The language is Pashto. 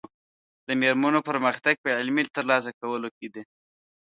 د مېرمنو پرمختګ په علمي ترلاسه کولو کې دی.